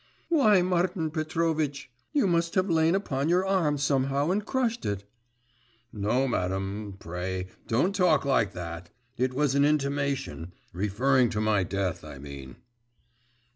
'Why, Martin Petrovitch, you must have lain upon your arm somehow and crushed it.' 'No, madam; pray, don't talk like that! It was an intimation … referring to my death, I mean.